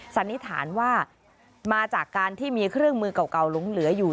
สันนิษฐานว่ามาจากการที่มีเครื่องมือเก่าหลงเหลืออยู่